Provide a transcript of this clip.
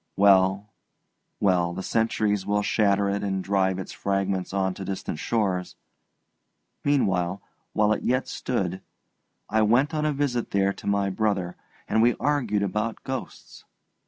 Well, well, the centuries will shatter it and drive its fragments on to distant shores. Meanwhile, while it yet stood, I went on a visit there to my brother, and we argued about ghosts.